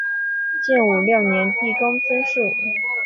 建武六年帝公孙述。